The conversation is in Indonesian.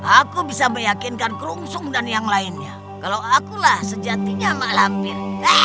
aku bisa meyakinkan kerungsung dan yang lainnya kalau akulah sejatinya mak lampir